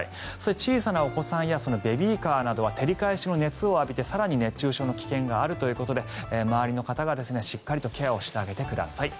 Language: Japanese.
小さなお子さんやベビーカーなどは照り返しの熱を浴びて更に熱中症の危険があるということで周りの方がしっかりとケアをしてあげてください。